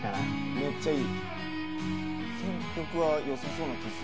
めっちゃいい！